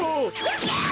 あ！